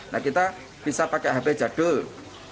nah kita bisa pakai hp jadul